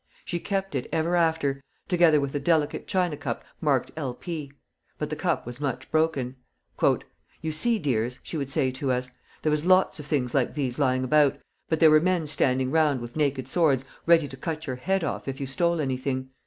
She kept it ever after, together with a delicate china cup marked L. P.; but the cup was much broken. "You see, dears," she would say to us, "there was lots of things like these lying about, but there were men standing round with naked swords ready to cut your head off if you stole anything.